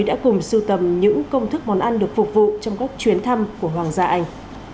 đã cùng sưu tầm những công thức món ăn được phục vụ trong các chuyến thăm của hoàng gia anh